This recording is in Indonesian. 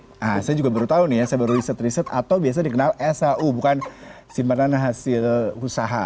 nah saya juga baru tahu nih ya saya baru riset riset atau biasa dikenal shu bukan simpanan hasil usaha